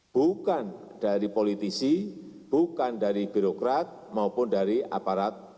bukan dari politisi bukan dari birokrat maupun dari aparat